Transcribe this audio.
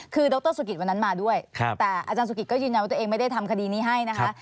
คือดรสุกิตวันนั้นมาด้วยแต่อาจารย์สุกิตก็ยืนยันว่าตัวเองไม่ได้ทำคดีนี้ให้นะคะ